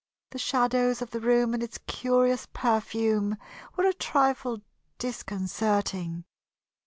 The shadows of the room and its curious perfume were a trifle disconcerting.